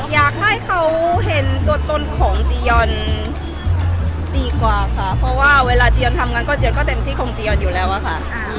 อยากให้เขาเห็นตัวตนของจียอนดีกว่าค่ะเพราะว่าเวลาจียอนทำงานก็เจียนก็เต็มที่ของจียอนอยู่แล้วอะค่ะ